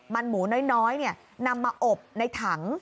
มันหมูน้อยนำมาอบในถัง